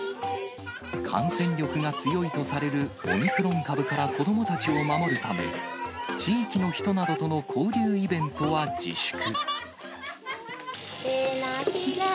感染力が強いとされるオミクロン株から子どもたちを守るため、地域の人などとの交流イベントは自粛。